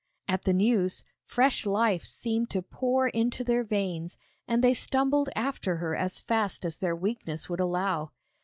At the news, fresh life seemed to pour into their veins and they stumbled after her as fast as their weakness would allow.